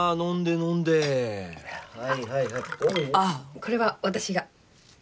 これは私が。